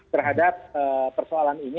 terhadap persoalan ini